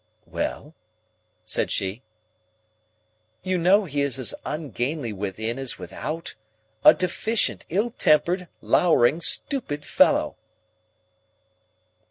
"Well?" said she. "You know he is as ungainly within as without. A deficient, ill tempered, lowering, stupid fellow."